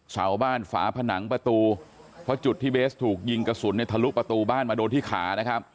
เสาบ้านฝาผนังประตูเพราะจุดที่เบสถูกยิงกระสุนเนี่ยทะลุประตูบ้านมาโดนที่ขานะครับ